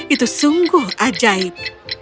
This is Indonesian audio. itu sungguh ajaib